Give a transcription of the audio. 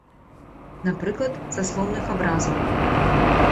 Напрыклад, са слоўных абразаў.